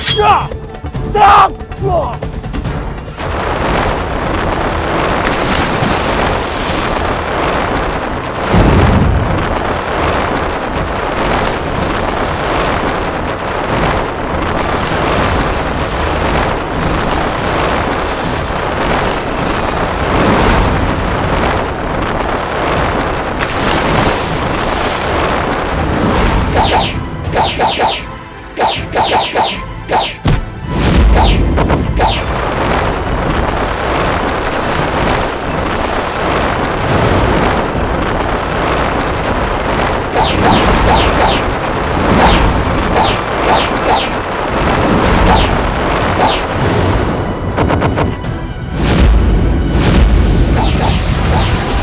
ayo kita bantu raden abikara